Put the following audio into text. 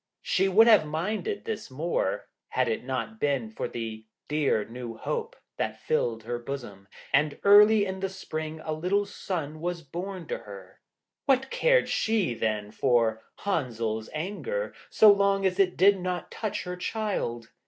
She would have minded this more had it not been for the dear new hope that filled her bosom, and early in the spring a little son was born to her. What cared she then for Henzel's anger, so long as it did not touch her child?